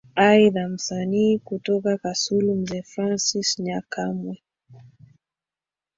Aidha Msanii kutoka Kasulu Mzee Francis Nyakamwe